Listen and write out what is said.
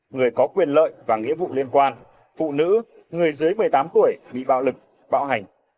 người có quyền lợi và nghĩa vụ liên quan phụ nữ người dưới một mươi tám tuổi bị bạo lực bạo hành